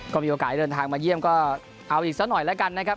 ก็มีโอกาสเดินทางมาเยี่ยมก็เอาอีกสักหน่อยแล้วกันนะครับ